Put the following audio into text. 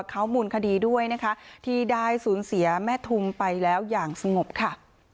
เขามูลคดีด้วยนะคะที่ได้สูญเสียแม่ทุมไปแล้วอย่างสงบค่ะ